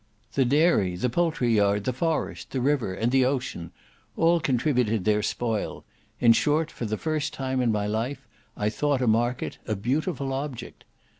The dairy, the poultry yard, the forest, the river, and the ocean, all contributed their spoil; in short, for the first time in my life, I thought a market a beautiful object.